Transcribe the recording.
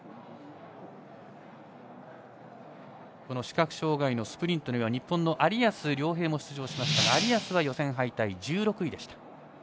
この視覚障がいのスプリントには日本の有安諒平も出場しましたが有安は予選敗退、１６位でした。